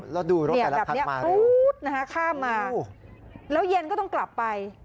แล้วดูรถแต่ละทักมาเลยแล้วเย็นก็ต้องกลับไป